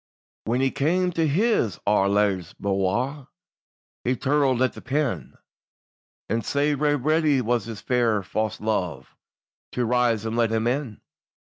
WHAN he cam to his ain luve's bouir He tirled at the pin, And sae ready was his fair fause luve To rise and let him in.